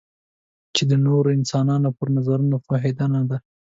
چې د نورو انسانانو پر نظرونو پوهېدنه ده.